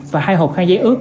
và hai hộp khăn giấy ướt